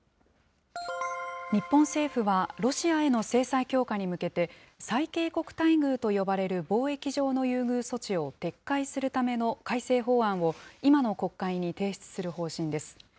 日本政府はロシアへの制裁強化へ向けて最恵国待遇と呼ばれる貿易上の優遇措置を撤回するための改正法案を今の国会に提出する方針です。